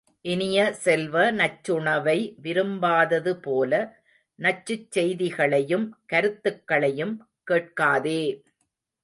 இனிய செல்வ, நச்சுணவை விரும்பாததுபோல, நச்சுச் செய்திகளையும் கருத்துக்களையும் கேட்காதே!